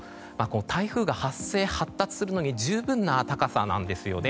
台風が発生・発達するのに十分な高さなんですよね。